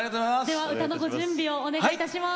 では歌のご準備をお願いいたします。